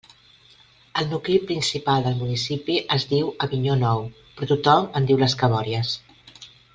El nucli principal del municipi es diu Avinyó Nou, però tothom en diu Les Cabòries.